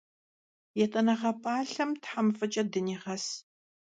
Yêt'eneğe p'alhem Them f'ıç'e dıniğes!